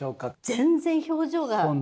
全然表情が。